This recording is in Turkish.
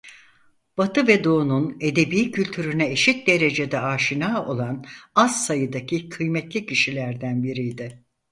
Batı ve Doğu'nun edebi kültürüne eşit derecede aşina olan az sayıdaki kıymetli kişilerden biriydi.